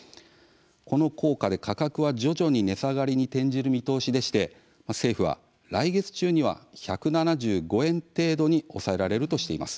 この効果で、価格は徐々に値下がりに転じる見通しでして政府は来月中には１７５円程度に抑えられるとしています。